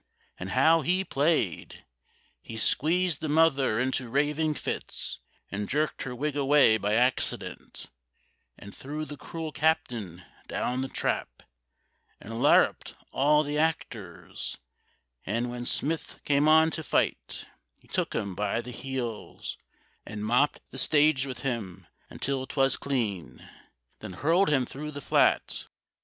And how he played! He squeezed the mother into raving fits, And jerked her wig away by accident, And threw the cruel captain down the trap, And larruped all the actors; and when Smith Came on to fight, he took him by the heels And mopped the stage with him until 'twas clean, Then hurled him through the flat.